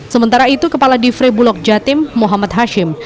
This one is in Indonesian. sementara itu kepala di frejatim muhammad hashim